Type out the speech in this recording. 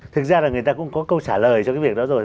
thực ra là người ta cũng có câu trả lời cho cái việc đó rồi